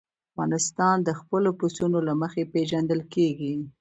افغانستان د خپلو پسونو له مخې پېژندل کېږي.